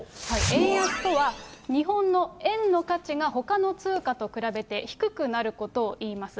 円安とは、日本の円の価値がほかの通貨と比べて低くなることをいいます。